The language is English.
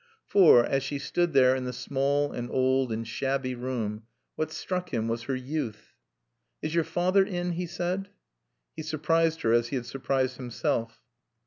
For, as she stood there in the small and old and shabby room, what struck him was her youth. "Is your father in?" he said. He surprised her as he had surprised himself.